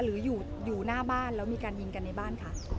หรืออยู่หน้าบ้านแล้วมีการยิงกันในบ้านคะ